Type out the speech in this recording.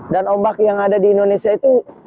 dan ombak yang ada di indonesia itu